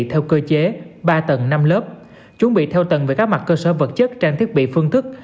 theo cơ chế ba tầng năm lớp chuẩn bị theo tầng về các mặt cơ sở vật chất trang thiết bị phương thức